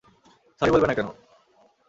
Sorry বলবে না কেন?